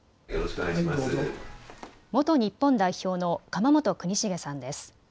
元日本代表の釜本邦茂さんです。